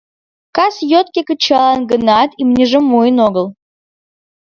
Кас йотке кычалын гынат, имньыжым муын огыл.